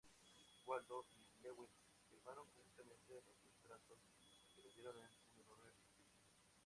Waldo y Jewett firmaron conjuntamente los retratos que les dieron un enorme prestigio.